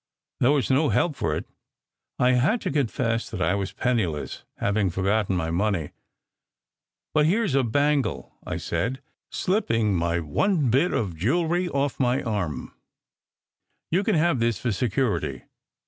There was no help for it. I had to confess that I was penniless, having forgotten my money. "But here s a bangle," I said, slipping my one bit of jewellery off my arm. "You can have this for security.